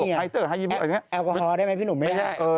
พวกไพเตอร์ไฮยีโมะแบบเนี้ยแอลกอฮอล์ได้ไหมพี่หนุ่มไม่ได้เออ